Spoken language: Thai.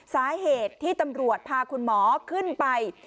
สาเหตุที่ตำรวจพาคุณหมอขึ้นไป